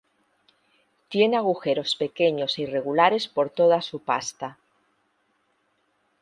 Tiene agujeros pequeños e irregulares por toda su pasta.